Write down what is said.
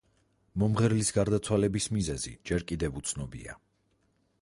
მომღერლის გარდაცვალების მიზეზი ჯერ კიდევ უცნობია.